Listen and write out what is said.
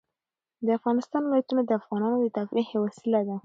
د افغانستان ولايتونه د افغانانو د تفریح یوه وسیله ده.